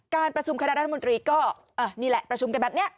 การประชุมคณะรัฐมนตรีก็นี่แหละประชุมกันแบบนี้